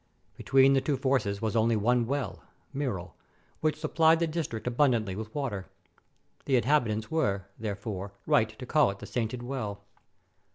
Between the two forces was only one well (Miral) which supplied the district abundantly with water. The inhabitants were, therefore, right to call it the Sainted Well.